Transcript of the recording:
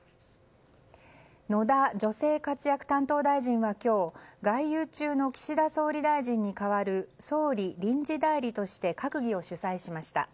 野田女性活躍担当大臣は今日外遊中の岸田総理大臣に代わる総理臨時代理として閣議を主宰しました。